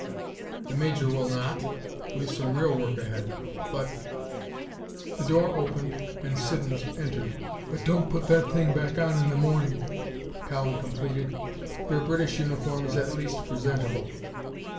"The Major will not! We've some real work ahead. But " The door opened and Siddons entered. "But don't put that thing back on in the morning," Cowan completed. "Your British uniform is at least presentable."